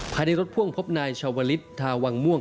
ภายในรถพ่วงพบนายชาวลิศทาวังม่วง